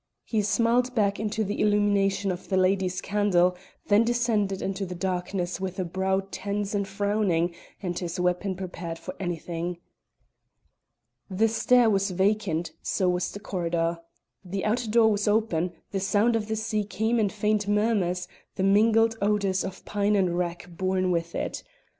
He smiled back into the illumination of the lady's candle, then descended into the darkness with a brow tense and frowning, and his weapon prepared for anything. The stair was vacant, so was the corridor. The outer door was open; the sound of the sea came in faint murmurs, the mingled odours of pine and wrack borne with it.